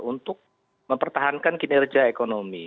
untuk mempertahankan kinerja ekonomi